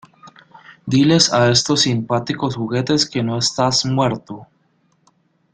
Diles a estos simpáticos juguetes que no estás muerto.